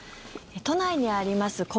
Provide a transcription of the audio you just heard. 都内にあります